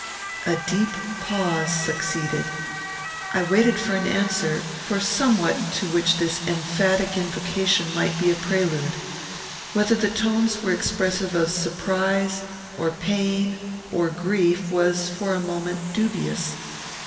A deep pause succeeded. I waited for an answer; for somewhat to which this emphatic invocation might be a prelude. Whether the tones were expressive of surprise, or pain, or grief, was, for a moment, dubious.